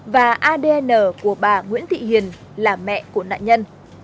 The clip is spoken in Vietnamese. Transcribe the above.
và adn của bà nguyễn thị hiền là mẹ của nạn nhân